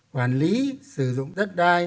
quản lý sử dụng đất đai